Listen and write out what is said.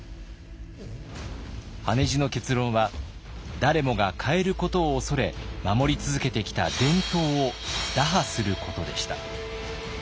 羽地の結論は誰もが変えることを恐れ守り続けてきた伝統を打破することでした。